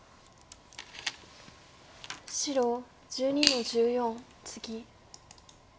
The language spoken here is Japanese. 白１２の十四ツギ。